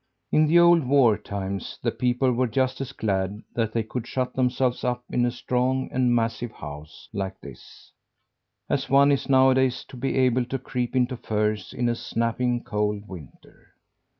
In the old war times, the people were just as glad that they could shut themselves up in a strong and massive house like this, as one is nowadays to be able to creep into furs in a snapping cold winter.